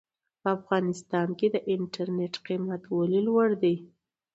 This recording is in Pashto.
په افغانستان کې د انټرنېټ قيمت ولې لوړ دی ؟